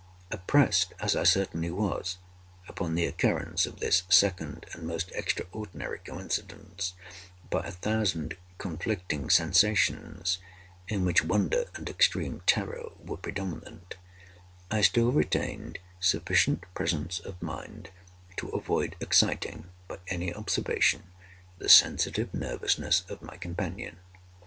Oppressed, as I certainly was, upon the occurrence of this second and most extraordinary coincidence, by a thousand conflicting sensations, in which wonder and extreme terror were predominant, I still retained sufficient presence of mind to avoid exciting, by any observation, the sensitive nervousness of my companion.